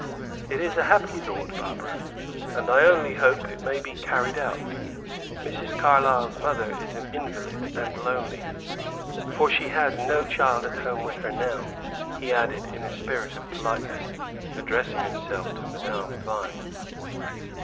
It is a happy thought, Barbara, and I only hope it may be carried out. Mrs. Carlyle's mother is an invalid, and lonely, for she has no child at home with her now," he added, in a spirit of politeness, addressing himself to Madame Vine.